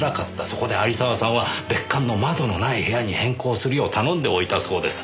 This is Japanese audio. そこで有沢さんは別館の窓のない部屋に変更するよう頼んでおいたそうです。